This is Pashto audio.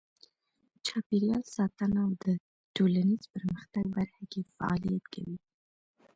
چاپیریال ساتنه او د ټولنیز پرمختګ برخه کې فعالیت کوي.